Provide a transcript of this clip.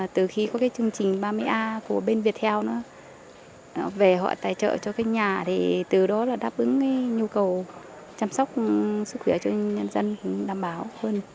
từ khi có chương trình ba mươi a của bên việt theo về họ tài trợ cho nhà từ đó đáp ứng nhu cầu chăm sóc sức khỏe cho nhân dân đảm bảo hơn